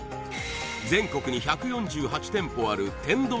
全国に１４８店舗ある天丼